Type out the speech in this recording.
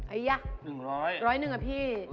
๑๐๑อะพี่